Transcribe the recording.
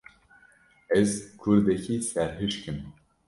Ez kurdekî serhişk im.